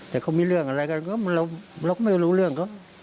แต่เขามีเรื่องอะไรกันเราก็ไม่รู้เรื่องเขา